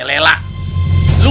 ya pak haji